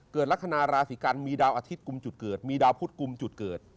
เกิดลักษณะราศิกัณฑ์มีดาวอาทิตย์กุมจุดเกิด